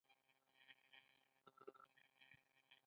آیا هاکي د دوی ملي لوبه نه ده؟